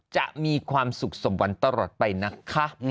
จะมีความสุขสมหวังตลอดไปนะคะ